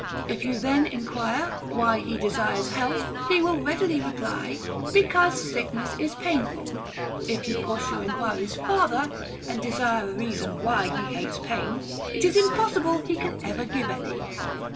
If you then enquire, WHY HE DESIRES HEALTH, he will readily reply, BECAUSE SICKNESS IS PAINFUL. If you push your enquiries farther, and desire a reason WHY HE HATES PAIN, it is impossible he can ever give any.